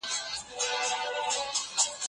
د حق په اداء کولو کي ځنډ د څه سبب کيږي؟